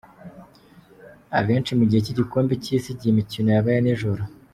Abenshi mu gihe cy’igikombe cy’isi igihe imikino yabaye nijoro.